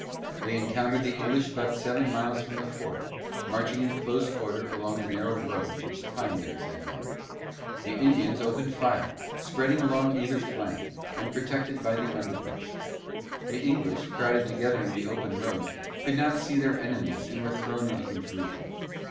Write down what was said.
They encountered the English about seven miles from the fort, marching in close order along a narrow road which the pioneers had made. The Indians opened fire, spreading along either flank, and protected by the underbrush. The English, crowded together in the open road, could not see their enemies, and were thrown into confusion.